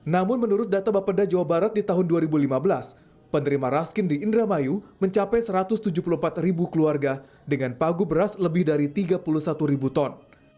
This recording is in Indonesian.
namun menurut data bapeda jawa barat di tahun dua ribu lima belas penerima raskin di indramayu mencapai satu ratus tujuh puluh empat ribu keluarga dengan pagu beras lebih dari tiga puluh satu ribu ton